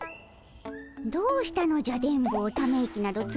どうしたのじゃ電ボため息などついて。